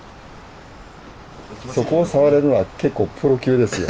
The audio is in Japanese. そこを触れるのは結構プロ級ですよ。